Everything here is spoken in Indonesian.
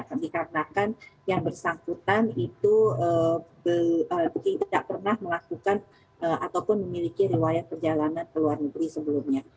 tapi karena kan yang bersahkutan itu tidak pernah melakukan ataupun memiliki rewaya perjalanan ke luar negeri sebelumnya